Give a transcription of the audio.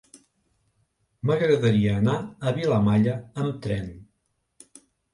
M'agradaria anar a Vilamalla amb tren.